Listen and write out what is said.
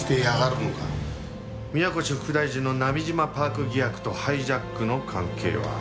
宮越副大臣の波島パーク疑惑とハイジャックの関係は？